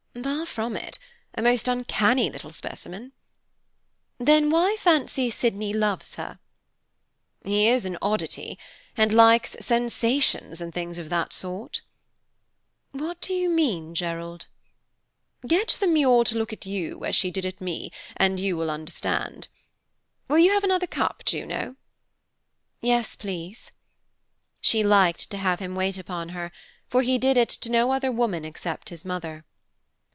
"Far from it, a most uncanny little specimen." "Then why fancy Sydney loves her?" "He is an oddity, and likes sensations and things of that sort." "What do you mean, Gerald?" "Get the Muir to look at you, as she did at me, and you will understand. Will you have another cup, Juno?" "Yes, please." She liked to have him wait upon her, for he did it to no other woman except his mother.